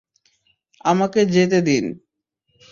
তাকে যেতে দিন।